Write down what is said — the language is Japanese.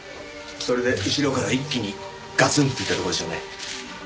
それで後ろから一気にガツンっていったところでしょうね。